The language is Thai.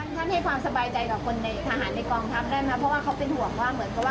ให้ความสบายใจกับคนในทหารในกองทัพได้ไหมเพราะว่าเขาเป็นห่วงว่าเหมือนกับว่า